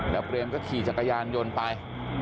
แล้วเปรมก็ขี่จักรยานยนต์ไป